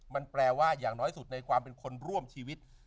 มันแปลว่าอย่างน้อยสุดในความเป็นคนร่วมชีวิต